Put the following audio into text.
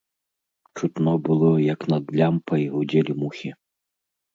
Чутно было, як над лямпай гудзелі мухі.